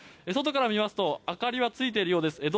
外から見ると明かりがついているようです。